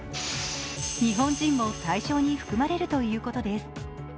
日本人も対象に含まれるということです。